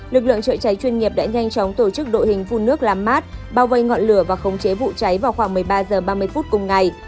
lực lượng chữa cháy chuyên nghiệp đã nhanh chóng tổ chức đội hình phun nước làm mát bao vây ngọn lửa và khống chế vụ cháy vào khoảng một mươi ba h ba mươi phút cùng ngày